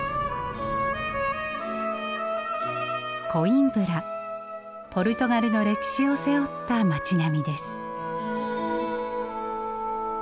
コインブラポルトガルの歴史を背負った町並みです。